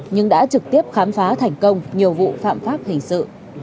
nhưng đã trực tiếp khám phá thành công nhiều vụ phạm pháp hình sự